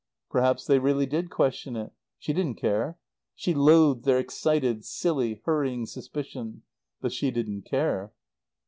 Perhaps they really did question it. She didn't care. She loathed their excited, silly, hurrying suspicion; but she didn't care.